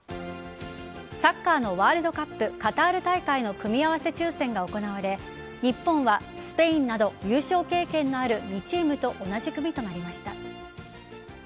サッカーのワールドカップカタール大会の組み合わせ抽選が行われ日本はスペインなど優勝経験のある２チームと同じ組となりました。